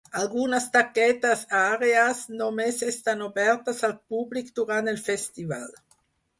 Algunes d'aquestes àrees només estan obertes al públic durant el festival.